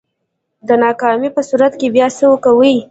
د ناکامۍ په صورت کی بیا څه کوئ؟